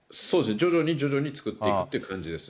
徐々に徐々に作っていくという感じですね。